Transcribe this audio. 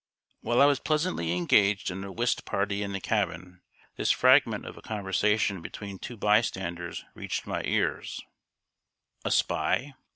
While I was pleasantly engaged in a whist party in the cabin, this fragment of a conversation between two bystanders reached my ears: "A spy?"